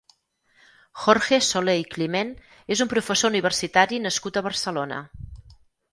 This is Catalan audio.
Jorge Soley Climent és un professor universitari nascut a Barcelona.